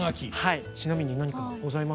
ちなみに何かございますか？